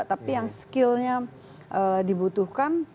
tapi yang skill nya dibutuhkan